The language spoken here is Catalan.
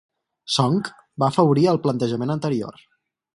Sonck va afavorir el plantejament anterior.